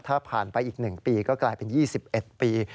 ถ้าผ่านไปอีก๑ปีก็กลายเป็น๒๑ปี